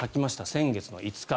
先月の５日。